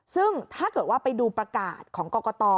ซึ่งถ้าเกิดว่าไปดูประกาศของกรกต